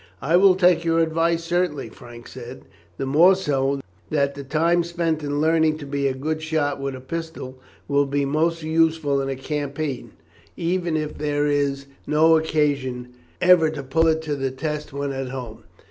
"I will take your advice, certainly," Frank said; "the more so that the time spent in learning to be a good shot with a pistol will be most useful in a campaign, even if there is no occasion ever to put it to the test when at home."